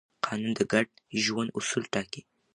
قانون د ګډ ژوند اصول ټاکي.